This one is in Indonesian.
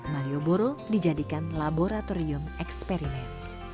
malioboro dijadikan laboratorium eksperimen